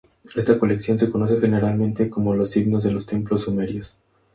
Esta colección se conoce generalmente como 'Los himnos de los templos sumerios'.